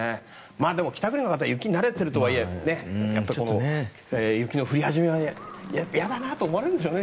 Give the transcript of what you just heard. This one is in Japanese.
でも、北国の方雪に慣れているとはいえ雪の降り始めは嫌だなと思われるんでしょうね